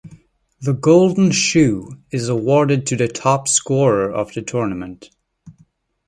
The "Golden Shoe" is awarded to the top scorer of the tournament.